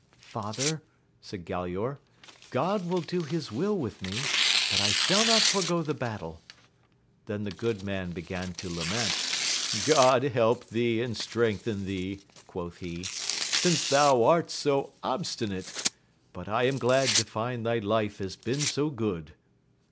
Father, said Galaor, God will do his will with me, but I shall not forego the battle. Then the good man began to lament — God help thee and strengthen thee, quoth he, since thou art so obstinate ; but I am glad to find thy life has been so good.